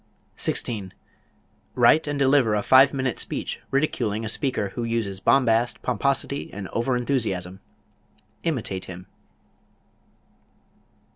16. Write and deliver a five minute speech ridiculing a speaker who uses bombast, pomposity and over enthusiasm. Imitate him.